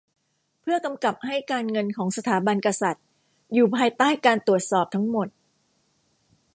เพื่อกำกับให้การเงินของสถาบันกษัตริย์อยู่ภายใต้การตรวจสอบทั้งหมด